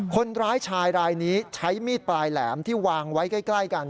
คนร้ายชายรายนี้ใช้มีดปลายแหลมที่วางไว้ใกล้กัน